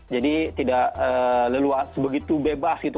jadi tidak leluhas begitu bebas gitu